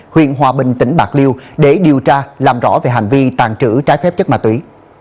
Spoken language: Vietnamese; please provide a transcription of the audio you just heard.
huyện hòa bình tỉnh bạc liêu để điều tra làm rõ về hành vi tàn trữ trái phép chất ma túy